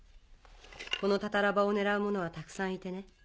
このタタラ場を狙う者はたくさんいてね。